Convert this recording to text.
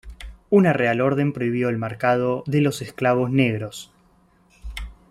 Una Real Orden prohibió el marcado de los esclavos negros.